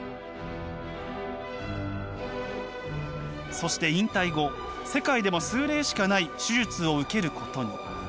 そして引退後世界でも数例しかない手術を受けることに。